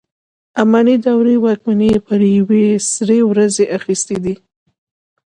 اماني دورې واکمني پر یوې سرې ورځې اخیستې ده.